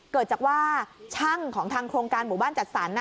เกิดจากว่าช่างของทางโครงการหมู่บ้านจัดสรร